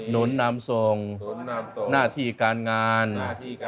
ที่ทำในวันนี้